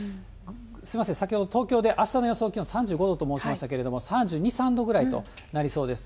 すみません、先ほど東京であしたの予想３５度と申しましたけれども、３２、３度ぐらいとなりそうです。